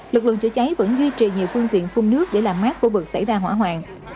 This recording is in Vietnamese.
lực lượng chữa cháy vẫn duy trì nhiều phương tiện phun nước để làm mát khu vực xảy ra hỏa hoạn